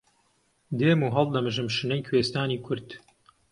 دێم و هەڵدەمژم شنەی کوێستانی کورد